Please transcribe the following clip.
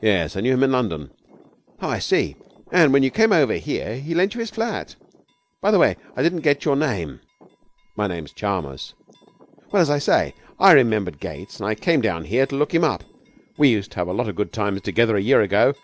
'Yes, I knew him in London.' 'Oh, I see. And when you came over here he lent you his flat? By the way, I didn't get your name?' 'My name's Chalmers.' 'Well, as I say, I remembered Gates and came down here to look him up. We used to have a lot of good times together a year ago.